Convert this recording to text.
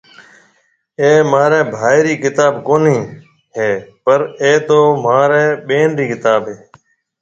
اَي مهاريَ ڀائي رِي ڪتاب ڪونَي هيَ پر اَي تو مهارِي ٻين رِي ڪتاب هيَ۔